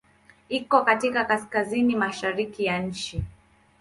Iko katika kaskazini-mashariki ya nchi.